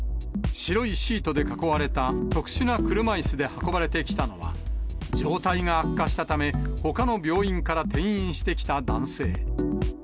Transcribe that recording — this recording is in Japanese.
白いシートで囲われた特殊な車いすで運ばれてきたのは、状態が悪化したため、ほかの病院から転院してきた男性。